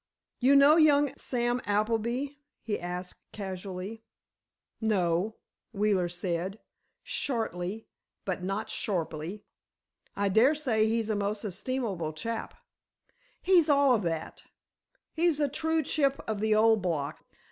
"You know young Sam Appleby?" he asked, casually. "No," Wheeler said, shortly but not sharply. "I daresay he's a most estimable chap." "He's all of that. He's a true chip of the old block.